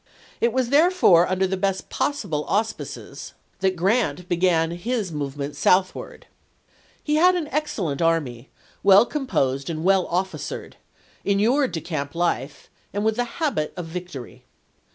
It was therefore under the best possible auspices that Grant began his 120 ABRAHAM LINCOLN chap. v. movement southward. He had an excellent army, 1862. weU composed and well officered, inured to camp life, and with the habit of victory.